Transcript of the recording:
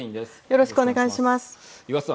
よろしくお願いします。